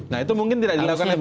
nah itu mungkin tidak dilakukan